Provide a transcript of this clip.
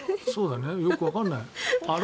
よくわからない。